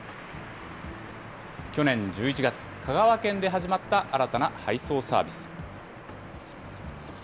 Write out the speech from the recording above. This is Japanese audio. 去年１１月、香川県で始まった新たな配送サービス。